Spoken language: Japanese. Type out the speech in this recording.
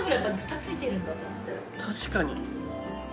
確かに。